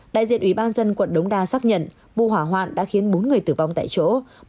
đại diện ủy ban dân quận đống đa xác nhận vụ hỏa hoạn đã khiến bốn người tử vong tại chỗ